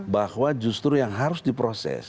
bahwa justru yang harus diproses